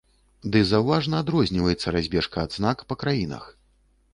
Ды заўважна адрозніваецца разбежка адзнак па краінах.